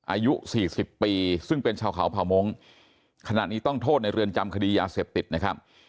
อายุสี่สิบปีซึ่งเป็นชาวเขาเผ่ามงขณะนี้ต้องโทษในเรือนจำคดียาเสพติดนะครับ